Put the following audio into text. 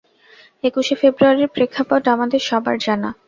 একুশে ফেব্রুয়ারির প্রেক্ষাপট আমাদের সবার জানা।